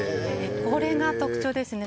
これが特徴ですね。